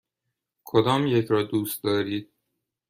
کدامیک را دوست دارید؟